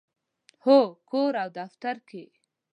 هو، کور او دفتر کې